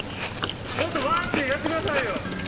もっとわってやってくださいよ。